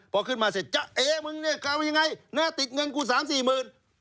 พอขึ้นมาเสร็จเอ๊ะมึงเนี่ยเอาไงติดเงินกู๓๔หมื่น